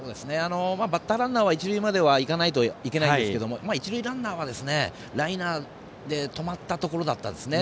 バッターランナーは一塁まで行かないといけないですけど一塁ランナーはライナーで止まったところでしたね。